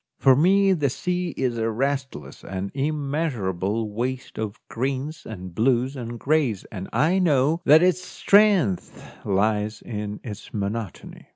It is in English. For me the sea is a restless and immeasurable waste of greens and blues and greys, and I know that its strength lies in its monotony.